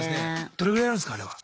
どれぐらいやるんすかあれは。